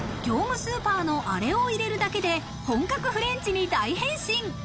業務スーパーのアレを入れるだけで本格フレンチに大変身。